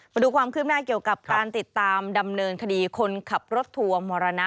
มาดูความคืบหน้าเกี่ยวกับการติดตามดำเนินคดีคนขับรถทัวร์มรณะ